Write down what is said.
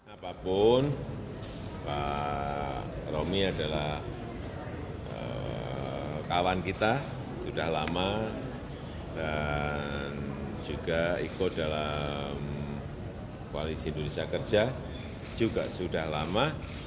apapun pak romi adalah kawan kita sudah lama dan juga ikut dalam koalisi indonesia kerja juga sudah lama